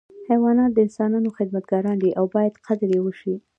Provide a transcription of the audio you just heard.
حیوانات د انسانانو خدمتګاران دي او باید قدر یې وشي.